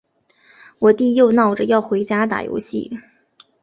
我弟又闹着要回家打游戏。